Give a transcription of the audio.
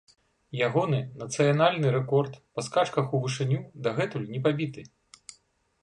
Ягоны нацыянальны рэкорд па скачках у вышыню дагэтуль не пабіты.